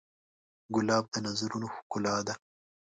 ګلاب د نظرونو ښکلا ده.